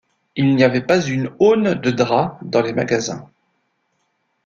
Il n’y avait pas une aune de drap dans les magasins.